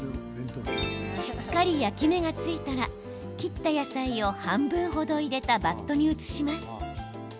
しっかり焼き目がついたら切った野菜を半分程、入れたバットに移します。